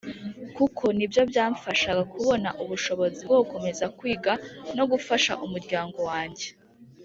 kuko ni byo byamfashaga kubona ubushobozi bwo gukomeza kwiga no gufasha umuryango wange.